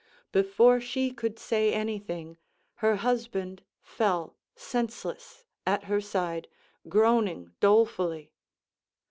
Before she could say anything, her husband fell senseless at her side, groaning dolefully.